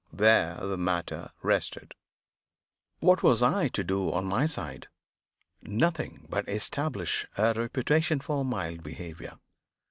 There the matter rested. What was I to do on my side? Nothing but establish a reputation for mild behavior.